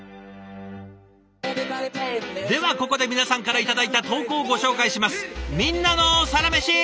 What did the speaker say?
ではここで皆さんから頂いた投稿をご紹介します。